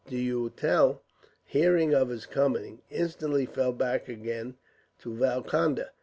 D'Auteuil, hearing of his coming, instantly fell back again to Valconda.